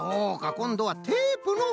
こんどはテープのおなやみか！